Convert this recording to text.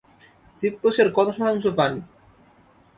জীবকোষের কত শতাংশ পানি?